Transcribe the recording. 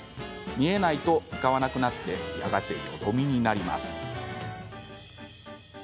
見えないと使わなくなってやがて、よどみになります。